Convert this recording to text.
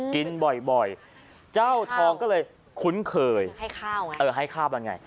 กินบ่อยเจ้าทองก็เลยคุ้นเคยให้ข้าวไว้เออให้ข้าวมันไง